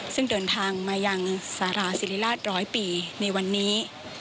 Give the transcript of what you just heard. ซึ่งเดินทางมายังสาราศิริราชร้อยปีในวันนี้